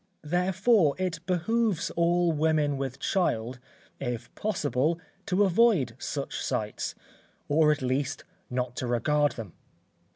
Therefore it behoves all women with child, if possible, to avoid such sights, or at least, not to regard them.